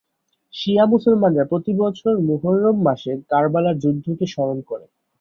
শিয়া মুসলমানরা প্রতিবছর মুহররম মাসে কারবালার যুদ্ধকে স্মরণ করে।